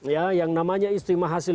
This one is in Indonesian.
ya yang namanya istimewa hasil